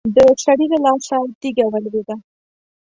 د سړي له لاسه تېږه ولوېده.